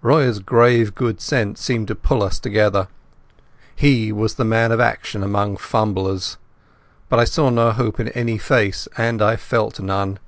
Royer's grave good sense seemed to pull us together. He was the man of action among fumblers. But I saw no hope in any face, and I felt none.